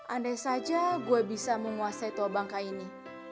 andai saja gue bisa menguasai tua bangka ini